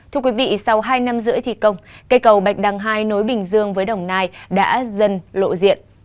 thưa quý vị sau hai năm rưỡi thi công cây cầu bạch đăng hai nối bình dương với đồng nai đã dần lộ diện